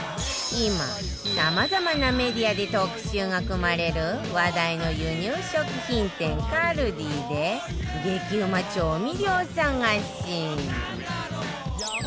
今さまざまなメディアで特集が組まれる話題の輸入食品店 ＫＡＬＤＩ で激うま調味料探しあっ！